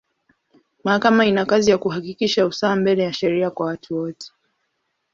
Mahakama ina kazi ya kuhakikisha usawa mbele ya sheria kwa watu wote.